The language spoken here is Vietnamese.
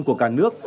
của cả nước